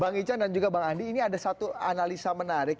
bang ican dan juga bang andi ini ada satu analisa menarik